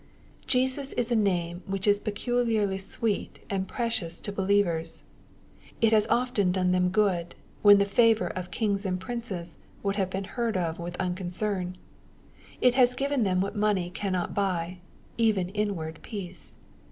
Jesus is a name, which is peculiarly sweet and precious to believers. It has often done them good, when the favour of kings and princes would have been heard of with un concern. It has given them what money cannot buy, even inward peace.